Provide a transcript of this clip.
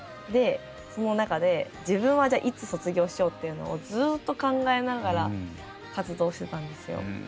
でその中で自分はじゃあいつ卒業しようっていうのをずっと考えながら活動してたんですよ。